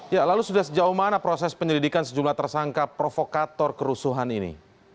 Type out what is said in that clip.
ya lalu sudah sejauh mana proses penyelidikan sejumlah tersangka provokator kerusuhan ini